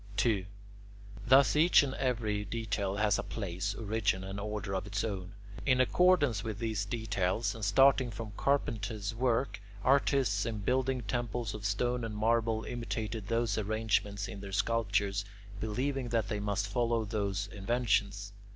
2. Thus each and every detail has a place, origin, and order of its own. In accordance with these details, and starting from carpenter's work, artists in building temples of stone and marble imitated those arrangements in their sculptures, believing that they must follow those inventions.